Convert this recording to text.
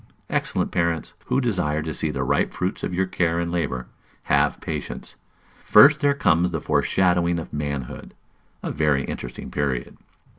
_ Excellent parents, who desire to see the ripe fruits of your care and labor, have patience! First there comes the foreshadowing of manhood, a very interesting period.